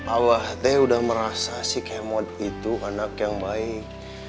awal teh udah merasa si kemot itu anak yang baik